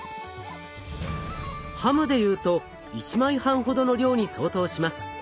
ハムでいうと１枚半ほどの量に相当します。